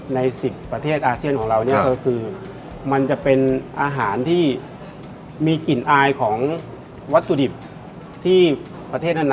ใน๑๐ประเทศอาเซียนของเราเนี่ยก็คือมันจะเป็นอาหารที่มีกลิ่นอายของวัตถุดิบที่ประเทศนั้น